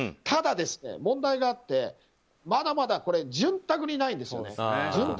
ただ、問題があってまだまだ潤沢にないんですよね。